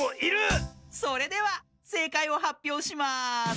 それではせいかいをはっぴょうします。